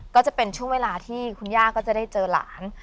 ก็จะเป็นช่วงเวลาที่คุณย่าก็จะได้เจอหลาน